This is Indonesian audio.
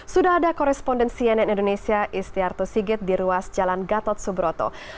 sudah ada koresponden cnn indonesia istiarto sigit di ruas jalan gatot subroto